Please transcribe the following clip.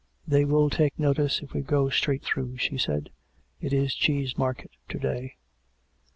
" They will take notice if we go straight through," she said. " It is cheese market to day."